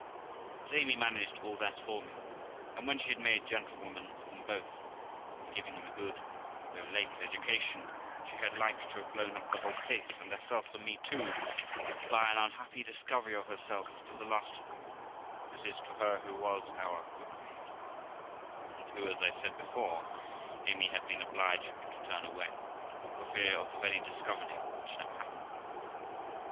But Amy managed all that for me; and when she had made gentlewomen of them both, by giving them a good, though late education, she had like to have blown up the whole case, and herself and me too, by an unhappy discovery of herself to the last of them, that is, to her who was our cook maid, and who, as I said before, Amy had been obliged to turn away, for fear of the very discovery which now happened.